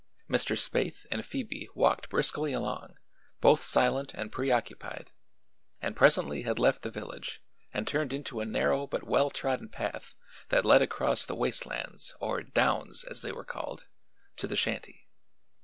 Mr. Spaythe and Phoebe walked briskly along, both silent and preoccupied, and presently had left the village and turned into a narrow but well trodden path that led across the waste lands or "downs," as they were called, to the shanty.